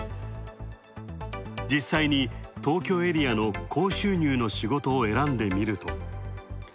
実際に東京エリアの高収入の仕事を選んでみると。